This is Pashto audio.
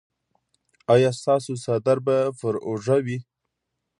ایا ستاسو څادر به پر اوږه وي؟